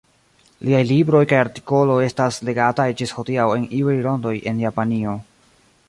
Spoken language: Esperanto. Liaj libroj kaj artikoloj estas legataj ĝis hodiaŭ en iuj rondoj en Japanio.